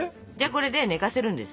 これで寝かせるんです。